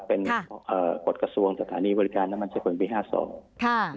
เป็นกฎกระทรวงสถานีบริการน้ำมันชะกรณ์วีภาท๒